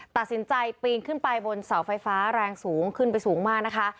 ตัดสินใจปีนขึ้นไปบนเสาไฟฟ้าแรงสูงขึ้นไปสูงมากนะคะ